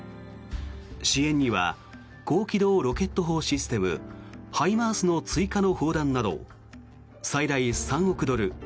支援には高機動ロケット砲システムＨＩＭＡＲＳの追加の砲弾など最大３億ドル